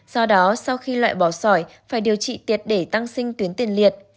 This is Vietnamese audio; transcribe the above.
do đó sau khi loại bỏ sỏi phải điều trị tiệt để tăng sinh tuyến tiền liệt